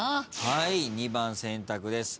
はい２番選択です。